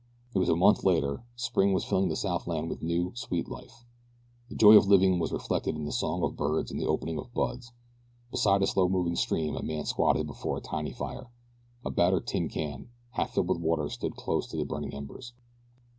It was a month later; spring was filling the southland with new, sweet life. The joy of living was reflected in the song of birds and the opening of buds. Beside a slow moving stream a man squatted before a tiny fire. A battered tin can, half filled with water stood close to the burning embers.